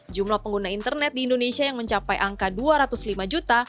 jumlah pengguna internet di indonesia yang mencapai angka dua ratus lima juta